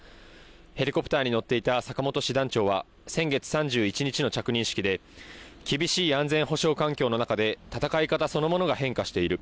ヘリコプターに乗っていた坂本師団長は先月３１日の着任式で厳しい安全保障環境の中で戦い方そのものが変化している。